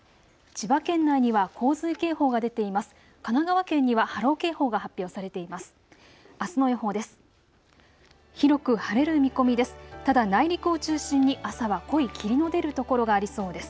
千葉県内には洪水警報が出ています。